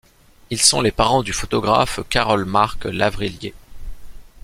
Ils sont les parents du photographe Carol-Marc Lavrillier.